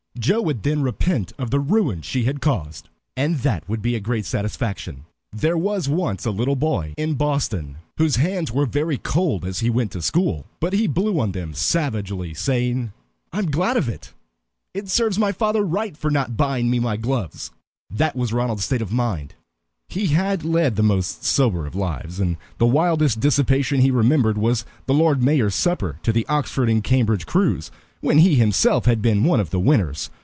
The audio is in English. Joe would then repent of the ruin she had caused, and that would be a great satisfaction. There was once a little boy in Boston whose hands were very cold as he went to school. But he blew on them savagely, saying, "I am glad of it! It serves my father right for not buying me my gloves." That was Ronald's state of mind. He had led the most sober of lives, and the wildest dissipation he remembered was the Lord Mayor's supper to the Oxford and Cambridge crews, when he himself had been one of the winners.